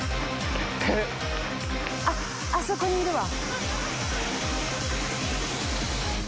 あっあそこにいるわ。